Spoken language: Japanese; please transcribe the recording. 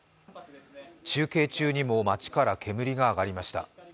中継中にも街から煙が上がりました。